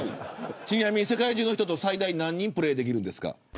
ちなみに世界中の人と最大何人プレーできるんですか。